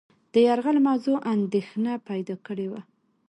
د یرغل موضوع اندېښنه پیدا کړې وه.